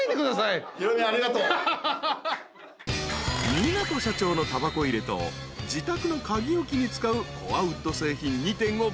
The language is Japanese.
［港社長のたばこ入れと自宅の鍵置きに使うコアウッド製品２点を爆買い］